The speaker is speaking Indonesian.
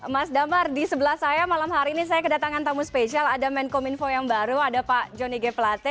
mas damar di sebelah saya malam hari ini saya kedatangan tamu spesial ada menkom info yang baru ada pak joni g plate